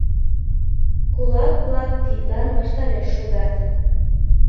Кулак-влак тидлан ваштареш шогат.